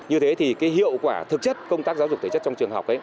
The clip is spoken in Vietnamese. như thế thì cái hiệu quả thực chất công tác giáo dục thể chất trong trường học ấy